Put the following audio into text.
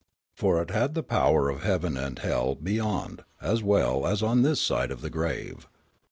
For it had the power of heaven and hell be5 ond as well as on this side of the grave.